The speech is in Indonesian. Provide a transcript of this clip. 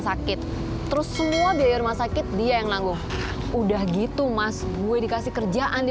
sakit terus semua biaya rumah sakit dia yang nanggung udah gitu mas gue dikasih kerjaan di